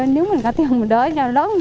nếu mình có tiền mình đợi cho lớn